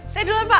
saya duluan pak